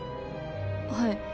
はい。